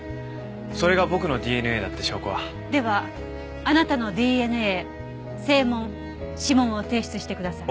それが僕のＤＮＡだって証拠は？ではあなたのＤＮＡ声紋指紋を提出してください。